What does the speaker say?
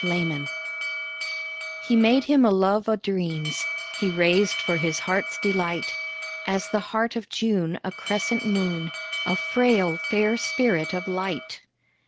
THE POET He made him a love o' dreams He raised for his heart's delight (As the heart of June a crescent moon) A frail, fair spirit of light.